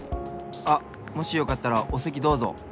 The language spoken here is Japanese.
あっもしよかったらおせきどうぞ。